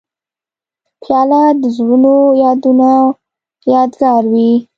پیاله د زړو یادونو یادګار وي.